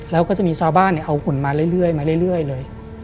แล้วก็จะมีชาวบ้านเอาหุ่นมาเรื่อยเลย